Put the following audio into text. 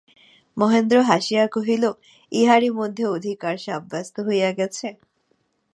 মহেন্দ্র হাসিয়া কহিল, ইহারই মধ্যে অধিকার সাব্যস্ত হইয়া গেছে?